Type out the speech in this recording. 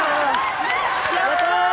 やった！